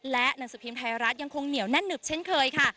และหนังสือพิมพ์ไทยรัฐยังคงเหนียวแน่นหนึบเช่นเคยค่ะ